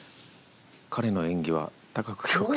彼の演技は高く評価」。